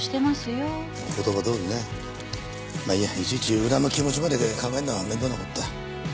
いちいち裏の気持ちまで考えるのは面倒な事だ。